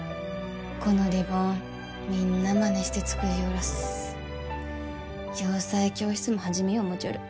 このリボンみんなまねして作りよらす洋裁教室も始めよう思うちょる